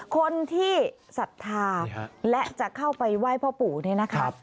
คนที่ศรัทธาและจะเข้าไปไหว้พ่อปู่เนี่ยนะคะ